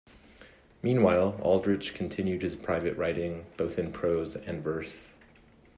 Meanwhile, Aldrich continued his private writing, both in prose and verse.